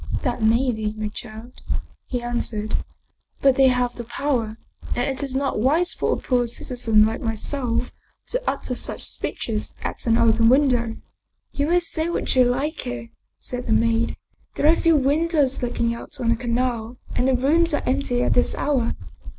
" That may be, my child," he answered. " But they have the power, and it is not wise for a poor citizen like myself to utter such speeches at an open window." 49 German Mystery Stories " You may say what you like here," said the maid. " There are few windows looking out on the canal and the rooms are empty at this hour.